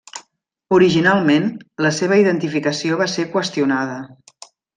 Originalment, la seva identificació va ser qüestionada.